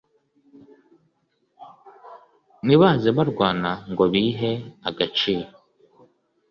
Ntibaze barwana ngo bihe agaciro